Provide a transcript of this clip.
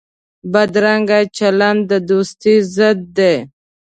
بدرنګه چلند د دوستۍ ضد دی